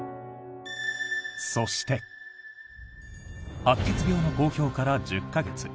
そして白血病の公表から１０か月。